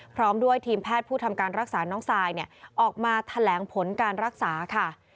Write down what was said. พร้อมด้วยทีมแพทย์ผู้ทำการรักษาน้องซายออกมาแถลงผลการรักษาค่ะ